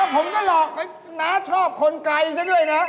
ผมก็หลอกน้าชอบคนไกลซะด้วยนะ